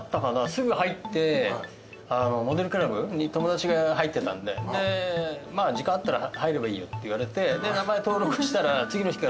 すぐ入ってモデルクラブに友達が入ってたんで時間あったら入ればいいよって言われて名前。